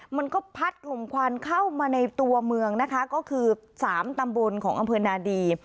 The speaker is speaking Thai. มันก็พัดกลุ่มควันเข้ามาในตัวเมืองนะคะก็คือสามตำบลของอำเภอนาดี